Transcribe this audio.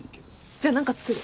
じゃあ何か作る。